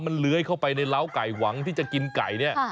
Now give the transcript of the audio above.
มันเลื้อยเข้าไปในร้าวไก่หวังที่จะกินไก่เนี่ย